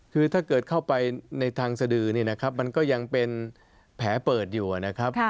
คือถ้าเกิดเข้าไปในทางสดือนี่นะครับมันก็ยังเป็นแผลเปิดอยู่นะครับ